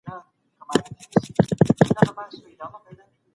وما ذلک علی الله بعزيز